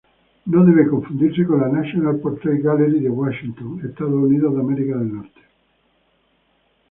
No debe confundirse con la National Portrait Gallery de Washington, Estados Unidos.